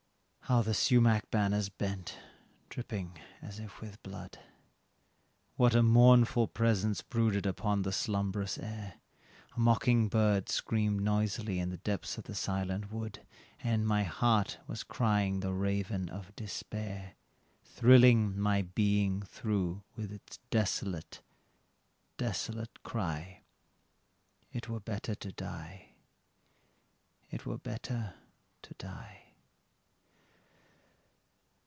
How the sumac banners bent, dripping as if with blood, What a mournful presence brooded upon the slumbrous air; A mocking bird screamed noisily in the depths of the silent wood, And in my heart was crying the raven of despair, Thrilling my being through with its desolate, desolate cry "It were better to die, it were better to die."